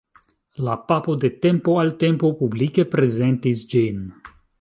La papo de tempo al tempo publike prezentis ĝin.